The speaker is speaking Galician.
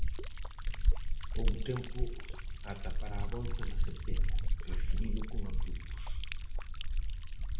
Houbo tempo ata para a volta de Cepeda, recibido con apupos.